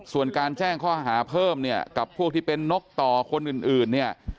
ส่วนการแจ้งข้อหาเพิ่มเนี่ยกับพวกที่เป็นนกต่อคนอื่นเนี่ย